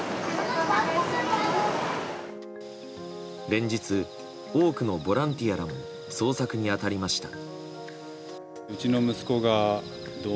連日、多くのボランティアらも捜索に当たりました。